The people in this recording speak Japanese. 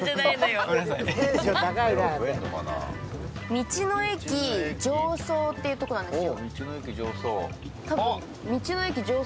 道の駅常総というところなんですよ。